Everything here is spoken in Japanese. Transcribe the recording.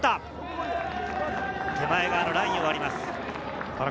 手前側のラインを割ります。